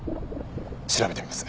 調べてみます。